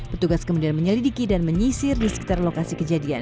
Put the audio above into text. petugas kemudian menyelidiki dan menyisir di sekitar lokasi kejadian